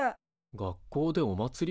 学校でおまつり？